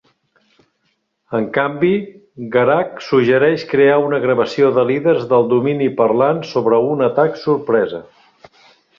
En canvi, Garak suggereix crear una gravació de líders del Domini parlant sobre un atac sorpresa.